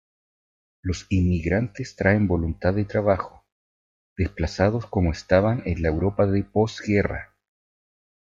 Los inmigrantes traen voluntad de trabajo, desplazados como estaban en la Europa de posguerra.